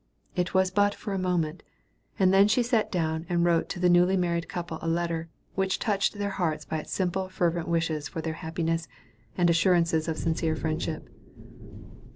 It was but for a moment; and then she sat down and wrote to the newly married couple a letter, which touched their hearts by its simple fervent wishes for their happiness, and assurances of sincere friendship.